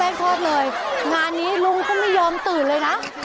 โทษเลยงานนี้ลุงก็ไม่ยอมตื่นเลยนะ